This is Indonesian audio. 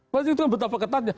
berarti itu betapa ketatnya